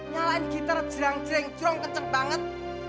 nyalain gitar jreng jreng kenceng banget